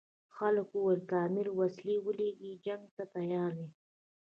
خلکو ویل که امیر وسلې ورولېږي جنګ ته تیار دي.